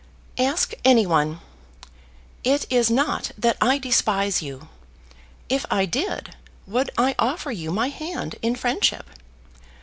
"Ask any one. It is not that I despise you. If I did, would I offer you my hand in friendship?